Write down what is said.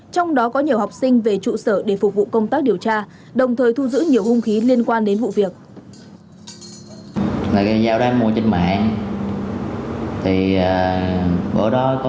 trong đó có nhiều học sinh về trụ sở để phục vụ công tác điều tra đồng thời thu giữ nhiều hung khí liên quan đến vụ việc